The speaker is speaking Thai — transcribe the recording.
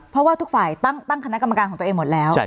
เพราะว่าทุกฝ่ายตั้งคณะกรรมการของตัวเองหมดแล้ว